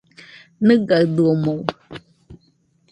¿Nɨgadɨomoɨ?